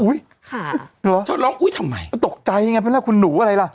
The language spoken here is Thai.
หนูเธออุ๊ยค่ะเธอลองอุ๊ยทำไมตกใจไงเป็นแล้วคุณหนูอะไรล่ะ